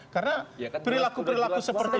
karena perilaku perilaku seperti itu